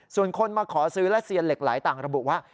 ส่วนคนมาขอซื้อและเซียนเหล็กไหลต่างระบุว่า